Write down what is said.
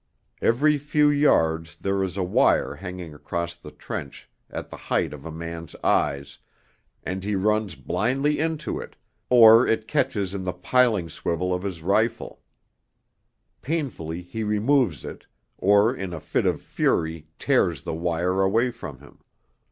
Every few yards there is a wire hanging across the trench at the height of a man's eyes, and he runs blindly into it, or it catches in the piling swivel of his rifle; painfully he removes it, or in a fit of fury tears the wire away with him.